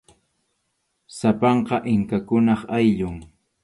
Sapanka inkakunap ayllun.